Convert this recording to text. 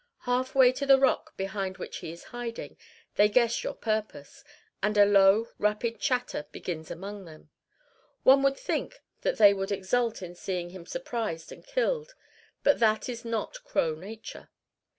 Half way to the rock behind which he is hiding, they guess your purpose, and a low rapid chatter begins among them. One would think that they would exult in seeing him surprised and killed; but that is not crow nature.